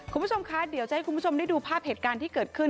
คุณผู้ชมคะเดี๋ยวจะให้คุณผู้ชมได้ดูภาพเหตุการณ์ที่เกิดขึ้น